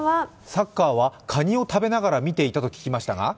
サッカーはカニを食べながら見ていたと聞きましたが？